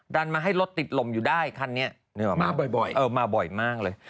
ดันมาให้รถติดลมอยู่ได้คันนี้มาบ่อยมาบ่อยมากเลย